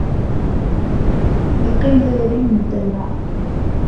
Iqqim d adrim n demma.